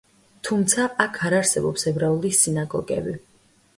თუმცა, აქ არ არსებობს ებრაული სინაგოგები.